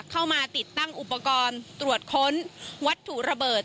เข้ามาติดตั้งอุปกรณ์ตรวจค้นวัตถุระเบิด